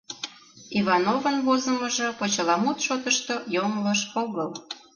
Ивановын возымыжо почеламут шотышто йоҥылыш огыл.